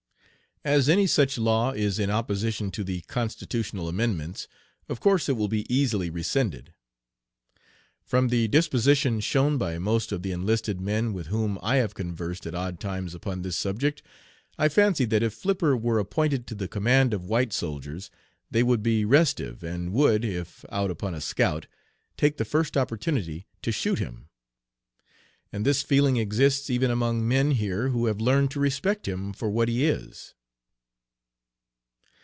As any such law is in opposition to the constitutional amendments, of course it will be easily rescinded. From the disposition shown by most of the enlisted men with whom I have conversed at odd times upon this subject, I fancy that if Flipper were appointed to the command of white soldiers they would be restive, and would, if out upon a scout, take the first opportunity to shoot him; and this feeling exists even among men here who have learned to respect him for what he is."